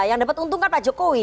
yang dapat untung kan pak jokowi